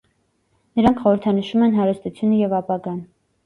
Նրանք խորհրդանշում են հարստությունը և ապագան։